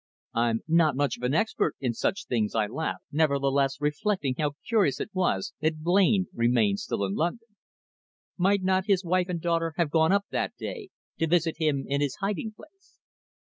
"I'm not much of an expert in such things," I laughed, nevertheless recollecting how curious it was that Blain remained still in London. Might not his wife and daughter have gone up that day to visit him in his hiding place?